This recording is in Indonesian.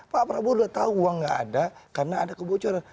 pak prabowo udah tahu uang nggak ada karena ada kebocoran